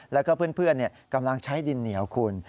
แล้วก็เพื่อนกำลังใช้ดินเหนียวคุณ